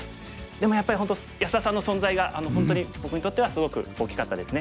でもやっぱり本当安田さんの存在が本当に僕にとってはすごく大きかったですね。